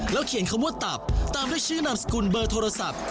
เขียนคำว่าตับตามด้วยชื่อนามสกุลเบอร์โทรศัพท์